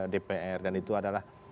dpr dan itu adalah